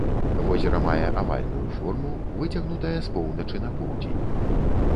Возера мае авальную форму, выцягнутае з поўначы на поўдзень.